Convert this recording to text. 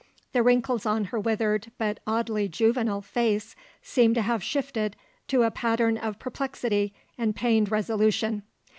The wrinkles on her withered, but oddly juvenile, face seemed to have shifted to a pattern of perplexity and pained resolution.